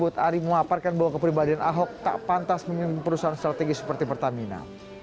tak pantas mengimum perusahaan strategis seperti pertamina